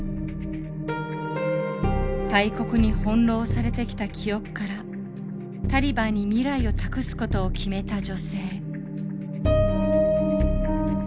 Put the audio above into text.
大国に翻弄されてきた記憶からタリバンに未来を託すことを決めた女性。